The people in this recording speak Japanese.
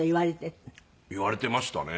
言われていましたね。